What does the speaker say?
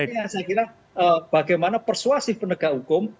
intinya saya kira bagaimana persuasi pendekat hukum